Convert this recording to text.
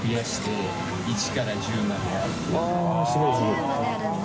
十まであるんだ。